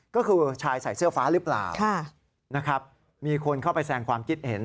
ก็คือชายใส่เสื้อฟ้าหรือเปล่านะครับมีคนเข้าไปแสงความคิดเห็น